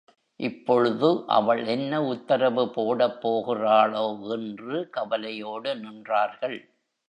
இப்பொழுது அவள் என்ன உத்தரவு போடப்போகிறாளோ என்று கவலையோடு நின்றார்கள்.